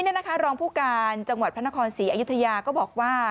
รองผู้การจังหวัดพระนครศรีอยุธยาก็บอกว่า